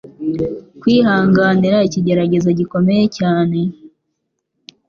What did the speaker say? kwihanganira ikigeragezo gikomeye cyane.